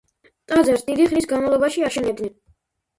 ტაძარს დიდი ხნის განმავლობაში აშენებდნენ.